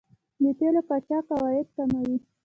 د تیلو قاچاق عواید کموي.